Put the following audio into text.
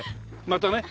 またね。